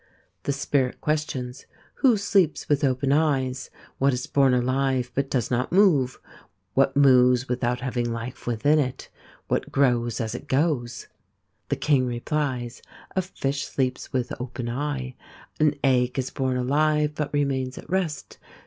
The Spirit questions : Who sleeps with open eyes ? What is born alive but does not move ? What moves without having life within it ? What grows as it goes ? The King replies : A fish sleeps with open eye. An egg is born alive but remains at rest.